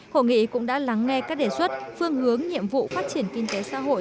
hội nghị cũng đã lắng nghe các đề xuất phương hướng nhiệm vụ phát triển kinh tế xã hội